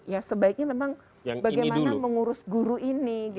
ya sebaiknya memang bagaimana mengurus guru ini